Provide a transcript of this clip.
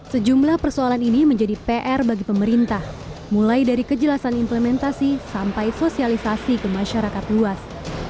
sejumlah persoalan ini menjadi pr bagi pemerintah mulai dari kejelasan implementasi sampai sosialisasi ke masyarakat luas